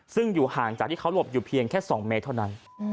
ซึ่งอยู่ห่างจากที่เขาหลบอยู่เพียงแค่๒เมตรเท่านั้น